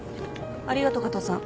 ありがとう加藤さん。